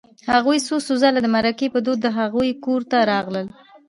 هغوی څو څو ځله د مرکې په دود د هغوی کور ته راغلل